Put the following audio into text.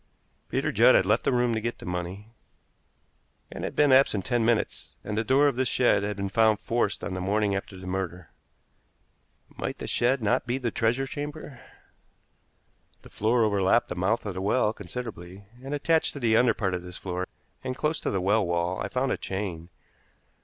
Peter Judd had left the room to get the money, and had been absent ten minutes; and the door of this shed had been found forced on the morning after the murder. Might the shed not be the treasure chamber? The floor overlapped the mouth of the well considerably, and attached to the under part of this floor, and close to the well wall, I found a chain.